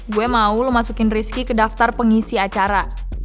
gue mau lo masukin rizky ke daftar pengisi acara